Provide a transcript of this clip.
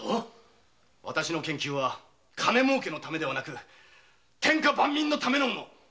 私の研究は金もうけのためではなく天下万民のためのもの。